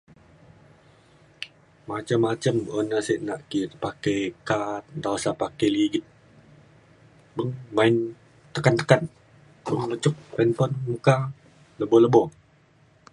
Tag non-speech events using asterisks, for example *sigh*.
macam macam gona sik du naki pakai kad nta osa pakai ligit beng main tekan tekan *unintelligible* meka lebo lebo